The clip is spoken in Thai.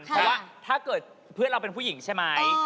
เพราะว่าถ้าเกิดเพื่อนเราเป็นผู้หญิงใช่ไหม